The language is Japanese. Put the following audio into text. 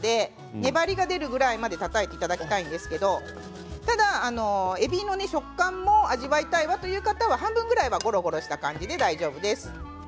粘りが出るまで、えびをたたいていただきたいんですけれどただ、えびの食感も味わいたいという方は半分ぐらいゴロゴロした形で大丈夫です。